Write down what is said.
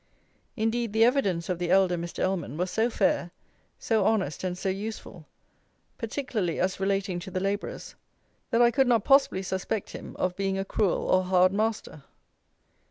Indeed the evidence of the elder Mr. Ellman was so fair, so honest, and so useful, particularly as relating to the labourers, that I could not possibly suspect him of being a cruel or hard master.